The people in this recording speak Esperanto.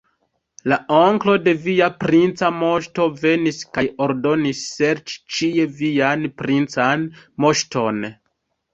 La onklo de via princa moŝto venis kaj ordonis serĉi ĉie vian princan moŝton.